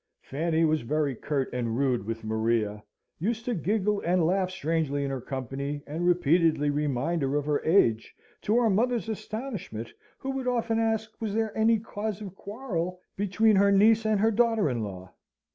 Fanny was very curt and rude with Maria, used to giggle and laugh strangely in her company, and repeatedly remind her of her age, to our mother's astonishment, who would often ask, was there any cause of quarrel between her niece and her daughter in law?